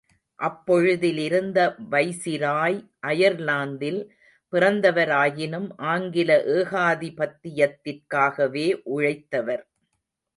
அப்பொழுதிருந்த viceroy அயர்லாந்தில் பிறந்தவராயினும் ஆங்கில ஏகாதிபத்தியத்திற்காகவே உழைத்தவர்.